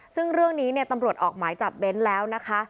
ซึ่งเรื่องนี้ตำรวจออกหมายจับเบ้นแล้วนะคะ